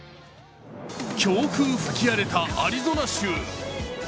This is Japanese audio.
強風ふき荒れたアリゾナ州。